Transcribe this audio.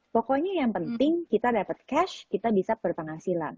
pokoknya yang penting kita dapat cash kita bisa berpenghasilan